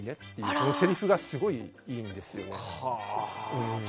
このせりふがすごいいいんですよね。